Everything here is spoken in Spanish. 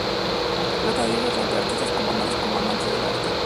La asociación está abierta tanto a artistas como a amantes del arte.